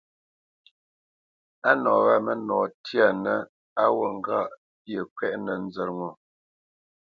Á nǒ nɔ wâ mə́nɔ tyanə̄ á wǔt ŋgâʼ pyeʼ kwɛ́ʼnə nzə̂t ŋo.